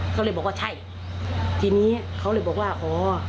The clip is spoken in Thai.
เขาเลยบอกว่าใช่ทีนี้เขาเลยบอกว่าอ๋อ